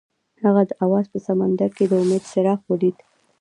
هغه د اواز په سمندر کې د امید څراغ ولید.